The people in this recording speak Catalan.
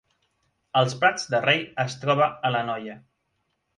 Els Prats de Rei es troba a l’Anoia